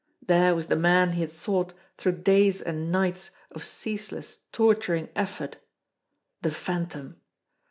There was the man he had sought through days and nights of ceaseless, torturing effort. The Phantom